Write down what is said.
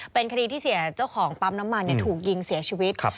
เป็นคดีที่เสียเจ้าของปั๊มน้ำมันถูกยิงเสียชีวิต